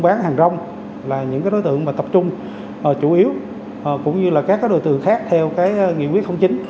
thì buôn bán hàng rong là những đối tượng tập trung chủ yếu cũng như các đối tượng khác theo nghị quyết không chính